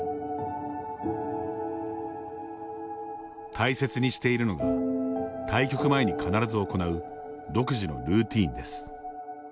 大切にしているのが対局前に必ず行う独自のルーティンです。